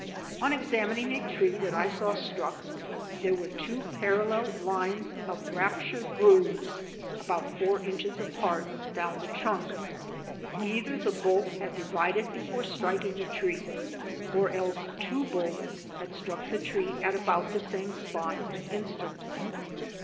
On examining a tree that I saw struck, there were two parallel lines of rupture grooves about four in ches apart down the trunk. Either the bolt had divided before striking the tree, or else two bolts had struck the tree at about the same spot and instant.